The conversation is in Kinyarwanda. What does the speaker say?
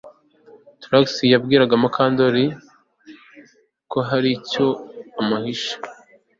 Trix yibwiraga ko Mukandoli hari icyo amuhishe